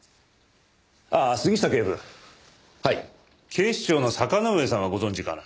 警視庁の坂之上さんはご存じかな？